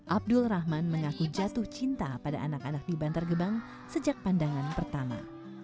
abdul rahman mengaku jatuh cinta pada anak anak di bantar gebang sejak pandangan pertama